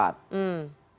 di kertanegaraan empat